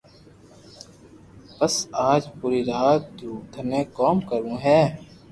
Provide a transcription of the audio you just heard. پسي آج پوري رات رو ٿني ڪوم ڪرو ھي